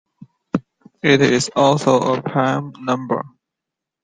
It is also a prime number.